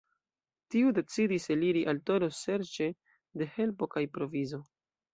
Tiu decidis eliri al Toro serĉe de helpo kaj provizo.